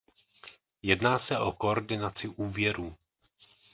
Jedná se o koordinaci úvěrů.